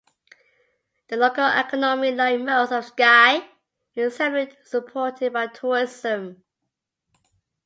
The local economy, like most of Skye, is heavily supported by tourism.